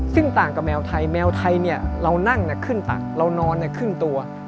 ซึ่งต่างกับแมวไทยแมวไทยเรานั่งขึ้นตักเรานอนครึ่งตัว